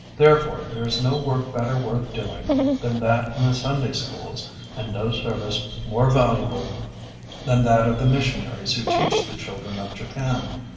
Therefore there is no work better worth doing than that in the Sunday Schools, and no service more valuable than that of the missionaries who teach the children of Japan....